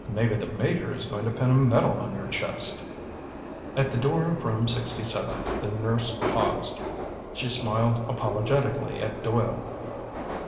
"Maybe the Major is going to pin a medal on your chest!" At the door of Room 67, the nurse paused. She smiled apologetically at Doyle.